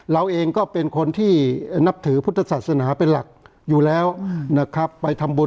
เราเองก็เป็นคนที่นับถือพุทธศาสนาเป็นหลักอยู่แล้วนะครับไปทำบุญ